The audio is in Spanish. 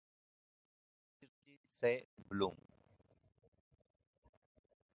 Virgil C. Blum.